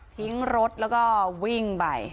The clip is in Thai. ทิ้งรถแล้วก็วิ่งไป